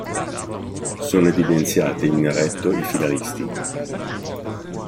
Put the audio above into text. Sono evidenziati in neretto i finalisti